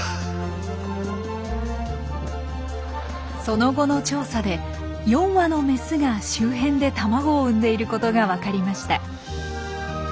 その後の調査で４羽のメスが周辺で卵を産んでいることが分かりました。